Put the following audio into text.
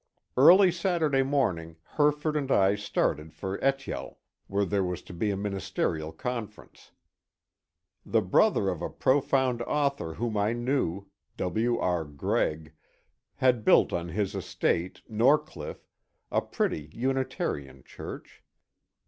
Early Saturday morning Herford and I started for Etyal, where was to be a ministerial conference. The brother of a profound author whom I knew, W. R Grreg, had built on his estate, "NorcHffe," a pretty Unitarian church.